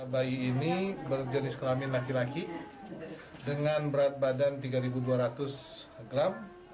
bayi ini berjenis kelamin laki laki dengan berat badan tiga dua ratus gram